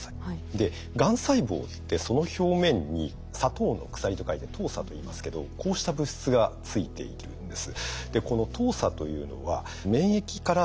でがん細胞ってその表面に「砂糖の鎖」と書いて「糖鎖」といいますけどこうした物質がついているんです。